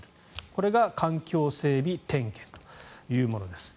これが環境整備点検というものです。